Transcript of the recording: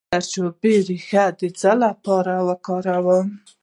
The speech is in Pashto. د زردچوبې ریښه د څه لپاره وکاروم؟